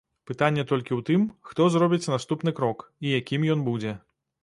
Пытанне толькі ў тым, хто зробіць наступны крок і якім ён будзе.